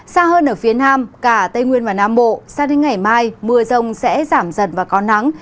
xa hơn ở phía nam cả tây nguyên và nam bộ sang đến ngày mai mưa rông sẽ giảm dần và có nắng